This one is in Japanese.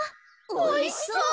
おいしそう！